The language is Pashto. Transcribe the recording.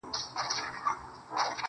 ژوند پکي اور دی، آتشستان دی,